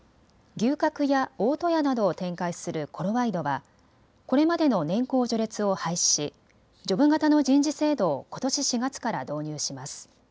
牛角や大戸屋などを展開するコロワイドはこれまでの年功序列を廃止しジョブ型の人事制度をことし４月から導入します。